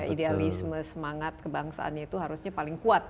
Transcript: idealisme semangat kebangsaannya itu harusnya paling kuat